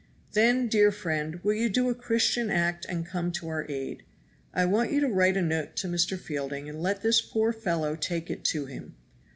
Then, dear friend, will you do a Christian act and come to our aid. I want you to write a note to Mr. Fielding and let this poor fellow take it to him.